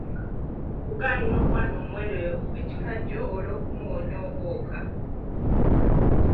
Kugaayira omwana omuwere ekikajjo olw'okumuwonya obwoka.